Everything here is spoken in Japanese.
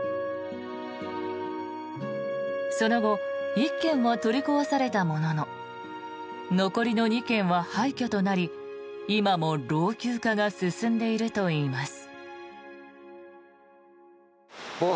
その後１軒は取り壊されたものの残りの２軒は廃虚となり今も老朽化が進んでいるといいます。